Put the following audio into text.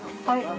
はい。